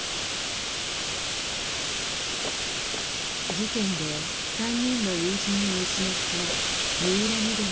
事件で３人の友人を失った三浦翠さん。